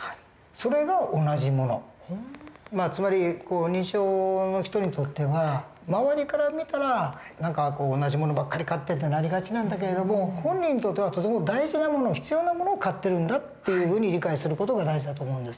つまり認知症の人にとっては周りから見たら何か「同じ物ばっかり買って」ってなりがちなんだけれども本人にとってはとても大事な物必要な物を買ってるんだっていうふうに理解する事が大事だと思うんです。